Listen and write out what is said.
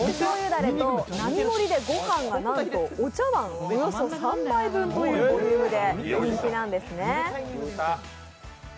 だれと並盛りでご飯がなんとお茶わんおよそ３杯分というボリュームで人気なんですね。